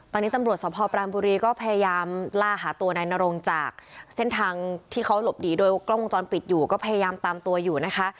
ตอนนี้ตำรวจสภปรามบุรีก็พยายามล่าหาตัวนายนรงจากเส้นทางที่เขาหลบหนีโดยกล้องวงจรปิดอยู่ก็พยายามตามตัวอยู่นะคะ